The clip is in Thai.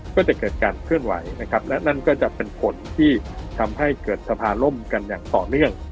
ก็จะเกิดการเคลื่อนไหวนะครับและนั่นก็จะเป็นผลที่ทำให้เกิดสภาล่มกันอย่างต่อเนื่อง